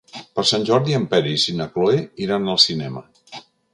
Per Sant Jordi en Peris i na Cloè iran al cinema.